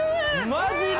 マジで！？